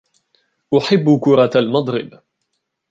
أحب كرة المضرب.